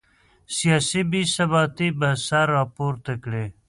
سیاسي بې ثباتي به سر راپورته کړي.